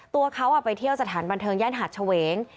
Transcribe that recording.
ตัวเขาไปเที่ยวสถานบันเทิงย่านหาดเฉวง